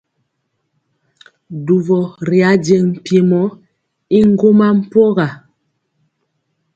Dubɔ ri ajeŋ mpiemɔ y ŋgɔma mpɔga.